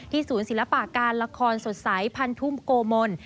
ศูนย์ศิลปะการละครสดใสพันธุมโกมล